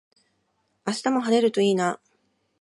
明日も晴れるといいな。